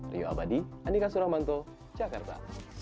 rio abadi andika suramanto jakarta